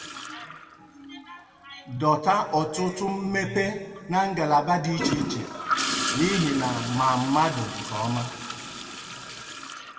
dọta ọtụtụ mmepe na ngalaba dị icheiche n'ihi na mà mmadụ nke ọma